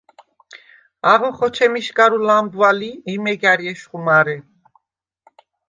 აღო ხოჩემიშგარუ ლამბვალ ი, იმეგ ა̈რი ეშხუ მარე.